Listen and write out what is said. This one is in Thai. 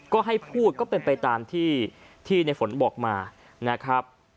ก็ให้พูดก็เป็นไปตามที่ในฝนบอกมานะครับ